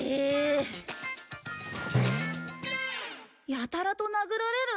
やたらと殴られる。